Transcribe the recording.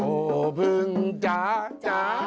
โอ้เพิ่งจ๊ะจ๊ะ